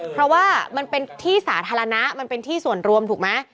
เพราะว่ามันเป็นที่สาธารณะมันเป็นที่ส่วนรวมถูกไหม